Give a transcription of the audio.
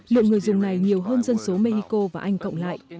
lượng người dùng này nhiều hơn dân số mexico và anh cộng lại